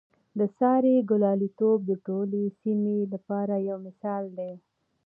د سارې ګلالتوب د ټولې سیمې لپاره یو مثال دی.